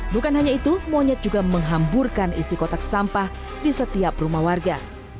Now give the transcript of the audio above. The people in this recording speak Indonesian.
bukan hanya itu monyet juga menghamburkan isi kotak sampah di setiap rumah warga